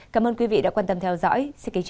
cảm ơn quý vị đã theo dõi